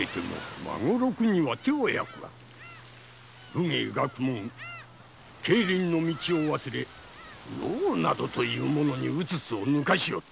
武芸学問経倫の道を忘れ能などにうつつを抜かしおって。